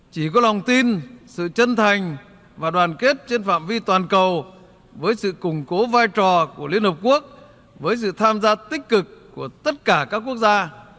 chỉ có lòng tin sự chân thành và đoàn kết trên phạm vi toàn cầu với sự củng cố vai trò của liên hợp quốc với sự tham gia tích cực của tất cả các quốc gia